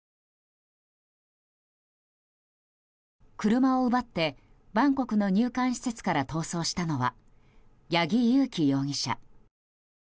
車を奪って、バンコクの入管施設から逃走したのは八木佑樹容疑者。